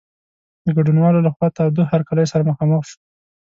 د ګډونوالو له خوا تاوده هرکلی سره مخامخ شو.